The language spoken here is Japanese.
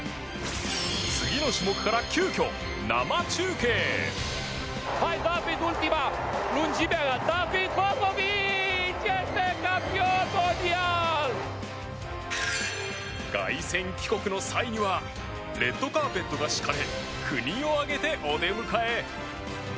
次の種目から凱旋帰国の際にはレッドカーペットが敷かれ国を挙げてお出迎え。